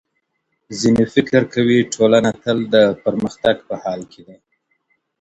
ځینې فکر کوي ټولنه تل د پرمختګ په حال کي ده.